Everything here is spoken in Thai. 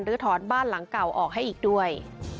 ถอนบ้านหลังเก่าออกให้อีกด้วย